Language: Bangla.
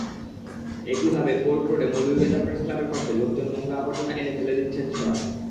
একইভাবে কোর্ট রোডে মৌলভীবাজার প্রেসক্লাবের পাশে লোকজন নোংরা-আবর্জনা এনে ফেলে দিচ্ছেন ছড়ায়।